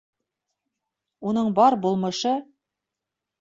Уның бар булмышы: